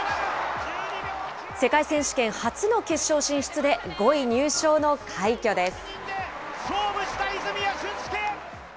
世界選手権初の決勝進出で５位入賞の快挙です。